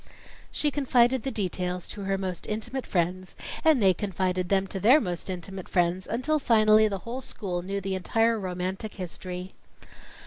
She confided the details to her most intimate friends, and they confided them to their most intimate friends, until finally, the whole school knew the entire romantic history.